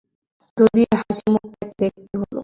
দধির হাসিমুখ তাকে দেখতে হল।